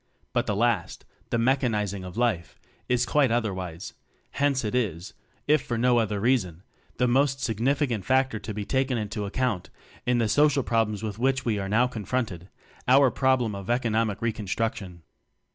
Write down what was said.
But the last the mechanizing of life is quite otherwise; hence it is, if for no other reason, the most sig nificant factor to be taken into account in the social problems with which we are now confronted our problem of economic reconstruction.